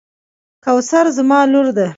کوثر زما لور ده.